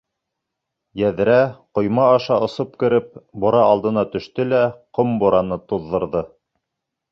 Йәҙрә, ҡойма аша осоп кереп, бура алдына төштө лә ҡом бураны туҙҙырҙы.